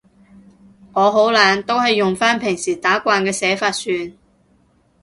我好懶，都係用返平時打慣嘅寫法算